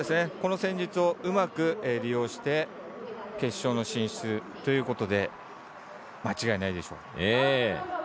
この戦術をうまく利用して決勝の進出ということで間違いないでしょう。